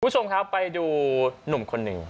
คุณผู้ชมครับไปดูหนุ่มคนหนึ่ง